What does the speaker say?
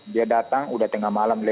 dia datang udah tengah malam